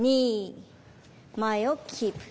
２前をキープ。